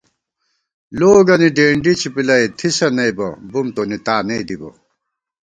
لوگَنی ڈېنڈی چپِلَئ تھِسہ نئیبہ بُم تونی تانَئی دِبہ